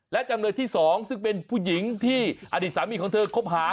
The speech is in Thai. และจำเลยที่๒ซึ่งเป็นผู้หญิงที่อดีตสามีของเธอคบหา